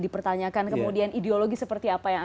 dipertanyakan kemudian ideologi seperti apa yang